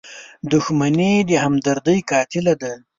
• دښمني د همدردۍ قاتله ده.